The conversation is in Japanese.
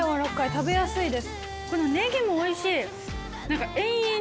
食べやすいです。